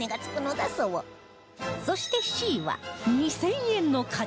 そして Ｃ は２０００円の価値